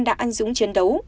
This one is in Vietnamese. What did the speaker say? đã anh dũng chiến đấu